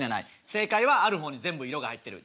正解は「ある」方に全部色が入ってる。